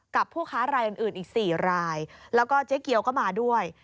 ผู้ค้ารายอื่นอีก๔รายแล้วก็เจ๊เกียวก็มาด้วย